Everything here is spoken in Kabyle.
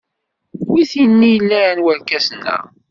Wi t-nilan warkasen-a?